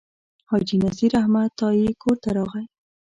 حاجي نذیر احمد تائي کور ته راغی.